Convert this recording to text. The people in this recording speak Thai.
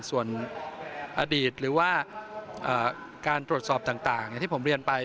ส่วนอดีตหรือว่าการตรวจสอบต่างที่ผมเรียนไป